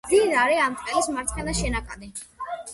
მდინარე ამტყელის მარცხენა შენაკადი.